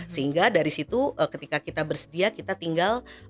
sehingga dari situ ketika kita bersedia kita tinggal